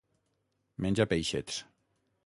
Menja peixets.